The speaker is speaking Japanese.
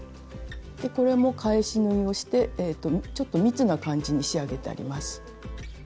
これも返し縫いをしてちょっと密な感じに仕上げてあります。